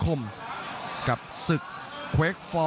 คมทุกลูกจริงครับโอ้โห